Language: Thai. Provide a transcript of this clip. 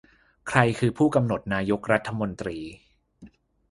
ใครคือผู้กำหนดนายกรัฐมนตรี